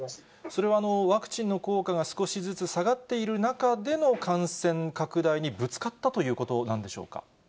それはワクチンの効果が少しずつ下がってる中でも感染拡大にぶつかったということなんでしょうか？